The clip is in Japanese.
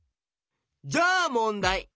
じゃあもんだい。